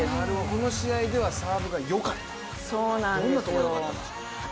この試合ではサーブがよかった、どんなところがよかったんですか？